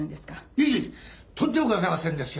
いえいえとんでもございませんですよ。